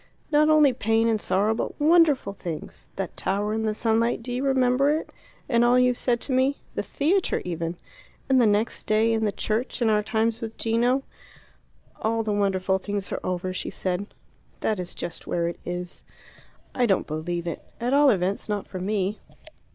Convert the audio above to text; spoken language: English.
"Not only pain and sorrow, but wonderful things: that tower in the sunlight do you remember it, and all you said to me? The theatre, even. And the next day in the church; and our times with Gino." "All the wonderful things are over," she said. "That is just where it is." "I don't believe it. At all events not for me.